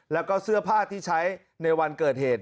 แล้วก็เสื้อผ้าที่ใช้ในวันเกิดเหตุ